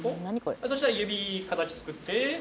そしたら指形作って。